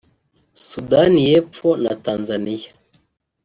Sudani y’epfo na Tanzania